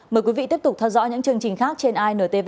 mời quý vị tiếp tục theo dõi những chương trình khác trên intv